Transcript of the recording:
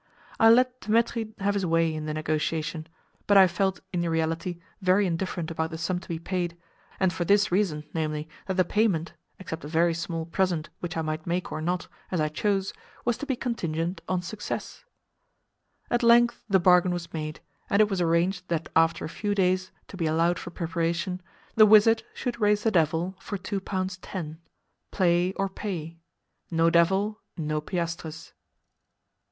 I let Dthemetri have his way in the negotiation, but I felt in reality very indifferent about the sum to be paid, and for this reason, namely, that the payment (except a very small present which I might make or not, as I chose) was to be contingent on success. At length the bargain was made, and it was arranged that after a few days, to be allowed for preparation, the wizard should raise the devil for two pounds ten, play or pay—no devil, no piastres.